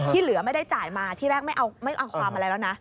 เหลือไม่ได้จ่ายมาที่แรกไม่เอาความอะไรแล้วนะ